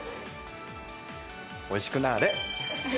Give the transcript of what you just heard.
おいしくなれ。